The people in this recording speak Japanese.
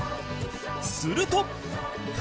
すると